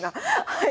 はい。